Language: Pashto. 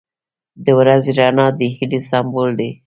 • د ورځې رڼا د هیلې سمبول دی.